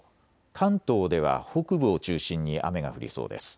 関東では北部を中心に雨が降りそうです。